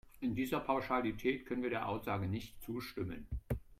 In dieser Pauschalität können wir der Aussage nicht zustimmen.